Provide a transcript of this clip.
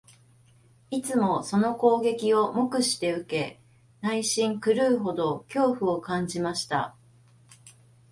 いつもその攻撃を黙して受け、内心、狂うほどの恐怖を感じました